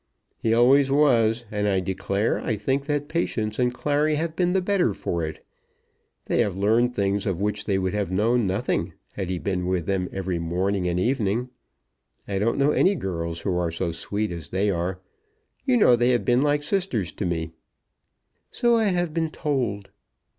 "He always was, and I declare I think that Patience and Clary have been the better for it. They have learned things of which they would have known nothing had he been with them every morning and evening. I don't know any girls who are so sweet as they are. You know they have been like sisters to me." "So I have been told."